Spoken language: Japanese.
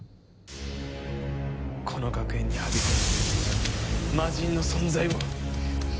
この学園にはびこる魔人の存在を。